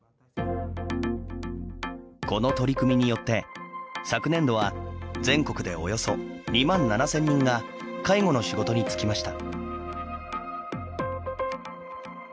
この取り組みによって昨年度は全国でおよそ２万７，０００人が介護の仕事に就きました。